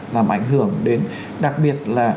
làm ảnh hưởng đến đặc biệt là